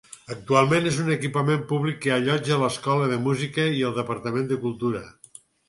Actualment és un equipament públic que allotja l'escola de música i el departament de cultura.